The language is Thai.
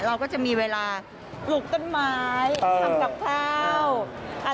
เราก็จะมีเวลาปลูกต้นไม้ทำกับข้าว